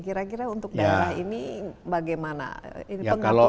kira kira untuk daerah ini bagaimana ini